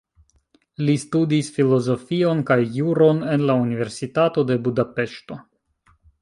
Li studis filozofion kaj juron en la Universitato de Budapeŝto.